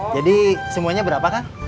jadi semuanya berapa kang